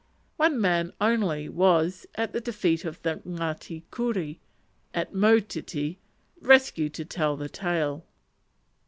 One man only was, at the defeat of the Ngati Kuri, on Motiti, rescued to tell the tale.